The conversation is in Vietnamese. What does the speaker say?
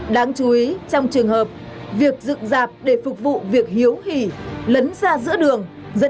đáng chú ý trong trường hợp việc dựng dạp để phục vụ việc hiệu quả